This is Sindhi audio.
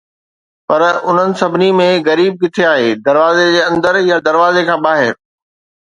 پر انهن سڀني ۾ غريب ڪٿي آهي، دروازي جي اندر يا دروازي کان ٻاهر؟